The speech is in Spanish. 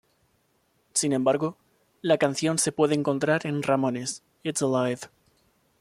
Sin embargo, la canción se puede encontrar en "Ramones: It's Alive!